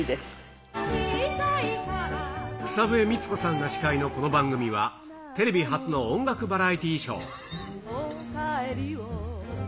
草笛光子さんが司会のこの番組は、テレビ初の音楽バラエティショー。